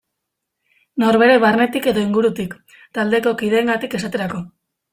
Norbere barnetik edo ingurutik, taldeko kideengatik esaterako.